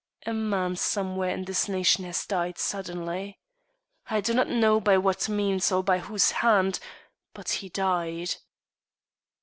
"A man somewhere in this nation has died suddenly. I do not know by what means or by whose hand, but he died."